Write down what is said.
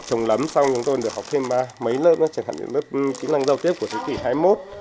chăm sóc vườn cây